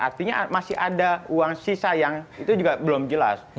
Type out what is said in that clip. artinya masih ada uang sisa yang itu juga belum jelas